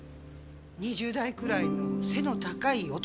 ２０代くらいの背の高い男の方でした。